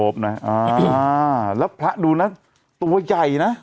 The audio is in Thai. ไม่รู้เหมือนกัน